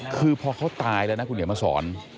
คือพอเขาตายแล้วนะคุณเดี๋ยวมาสอน